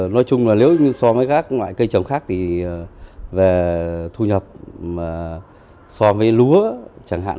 nói chung là nếu như so với các loại cây trồng khác thì về thu nhập so với lúa chẳng hạn